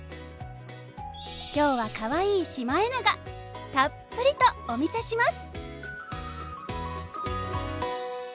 今日はかわいいシマエナガたっぷりとお見せします。